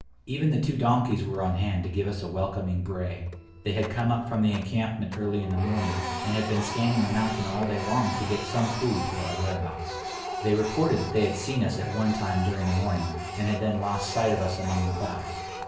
Even the two donkeys were on hand to give us a welcoming bray. They had come up from the encampment early in the morning, and had been scanning the mountain all day long to get some clue to our whereabouts. They reported that they had seen us at one time during the morning, and had then lost sight of us among the clouds.